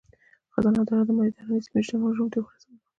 خزانه دارو د مدترانې سیمې شتمني روم ته ورسوله.